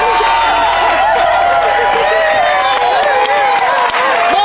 มาเลย